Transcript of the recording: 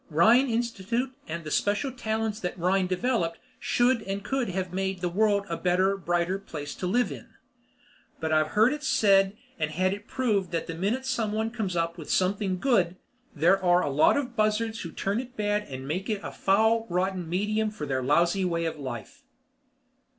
Rhine Institute and the special talents that Rhine developed should and could have made the world a better, brighter place to live in. But I've heard it said and had it proved that the minute someone comes up with something good, there are a lot of buzzards who turn it bad and make it a foul, rotten medium for their lousy way of life.